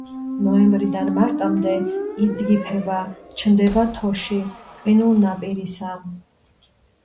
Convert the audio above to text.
ნოემბრიდან მარტამდე იძგიფება, ჩნდება თოში, ყინულნაპირისი.